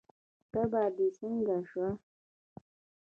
تبه دې څنګه شوه؟